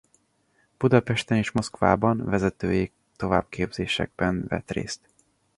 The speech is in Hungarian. Budapesten és Moszkvában vezetői továbbképzésekben vett részt.